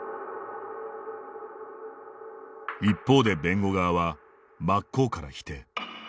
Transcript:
一方で、弁護側は真っ向から否定。